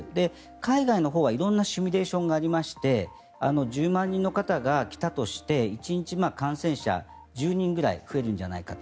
海外のほうは色んなシミュレーションがありまして１０万人の方が来たとして１日感染者１０人ぐらい増えるんじゃないかと。